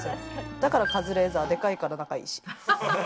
だからカズレーザー、でかいから仲いいし。